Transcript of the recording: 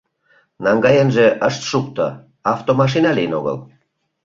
Наҥгаенже ышт шукто, автомашина лийын огыл.